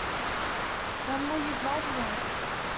When will you graduate?